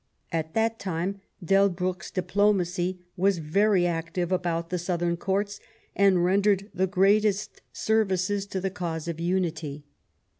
At that time lieibruck^s diplomacy was very active about the Southern Courts and rendered the greatest services to the cause of unity.